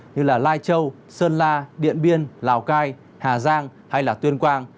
như lai châu sơn la điện biên lào cai hà giang hay tuyên quang